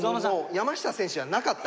「山下選手じゃなかった」。